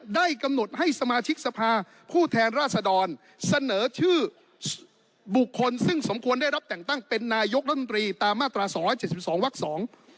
ได้กำหนดให้สมาชิกสภาผู้แทนราษดรเสนอชื่อบุคคลซึ่งสมควรได้รับแต่งตั้งเป็นนายกรัฐมนตรีตามมาตราสองร้อยเจ็ดสิบสองวักสอง